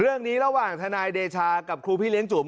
เรื่องนี่ระหว่างธนายเดชากับครูพิเล้งจู๋ม